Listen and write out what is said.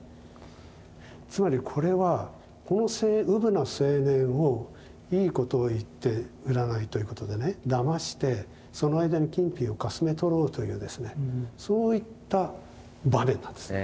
つまりこれはこのうぶな青年をいいことを言って占いということでねだましてその間に金品をかすめ取ろうというですねそういった場面なんです。